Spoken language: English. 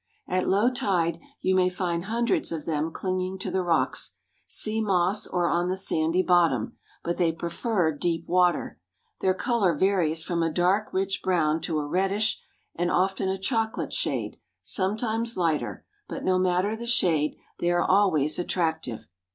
At low tide you may find hundreds of them clinging to the rocks, sea moss or on the sandy bottom, but they prefer deep water. Their color varies from a dark rich brown to a reddish, and often a chocolate shade, sometimes lighter; but no matter the shade, they are always attractive.